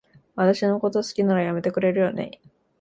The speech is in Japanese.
私のこと好きなら、やめてくれるよね？